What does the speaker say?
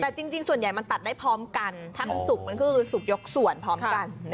แต่จริงส่วนใหญ่มันตัดได้พร้อมกันถ้ามันสุกมันก็คือสุกยกส่วนพร้อมกัน